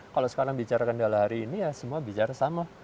kalau sekarang bicara kendala hari ini ya semua bicara sama